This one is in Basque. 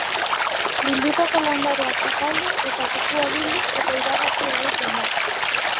Bildutako landareak zapaldu eta zukua bildu eta iragazi egiten da.